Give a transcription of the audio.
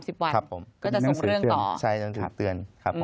ก็จะส่งเรื่องต่อครับผมมีหนังสือเตือนใช่หนังสือเตือน